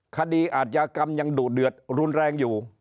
คดีอาจยากรรมยังดุเดือดรุนแรงอยู่